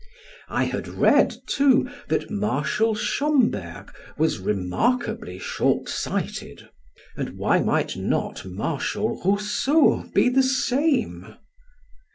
I had read, too, that Marshal Schomberg was remarkably shortsighted, and why might not Marshal Rousseau be the same?